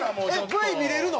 Ｖ見れるの？